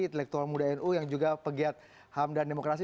intelektual muda nu yang juga pegiat ham dan demokrasi